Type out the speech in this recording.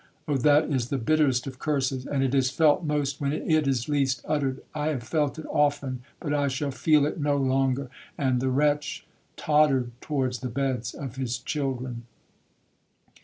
Oh that is the bitterest of curses,—and it is felt most when it is least uttered! I have felt it often, but I shall feel it no longer!'—And the wretch tottered towards the beds of his children.